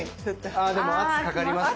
あでも圧かかりますね。